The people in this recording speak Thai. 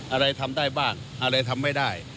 อะไรทำได้บ้างอะไรทำไม่ได้